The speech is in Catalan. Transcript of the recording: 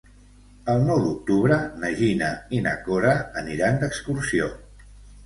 El nou d'octubre na Gina i na Cora aniran d'excursió.